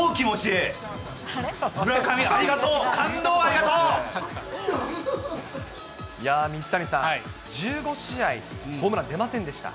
いやぁ、水谷さん、１５試合ホームラン出ませんでした。